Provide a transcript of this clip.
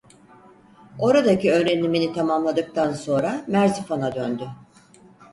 Oradaki öğrenimini tamamladıktan sonra Merzifon'a döndü.